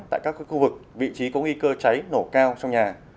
tại các khu vực vị trí có nguy cơ cháy nổ cao trong nhà